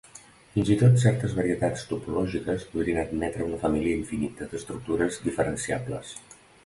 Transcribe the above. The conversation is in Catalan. Fins i tot certes varietats topològiques podrien admetre una família infinita d'estructures diferenciables.